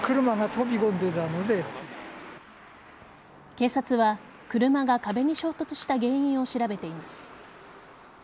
警察は車が壁に衝突した原因を調べています。